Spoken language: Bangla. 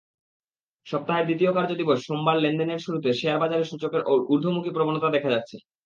সপ্তাহের দ্বিতীয় কার্যদিবস সোমবার লেনদেনের শুরুতে শেয়ারবাজারে সূচকের ঊর্ধ্বমুখী প্রবণতা দেখা যাচ্ছে।